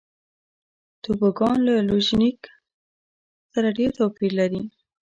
توبوګان له لوژینګ سره ډېر توپیر لري.